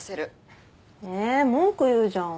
文句言うじゃん。